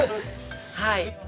はい。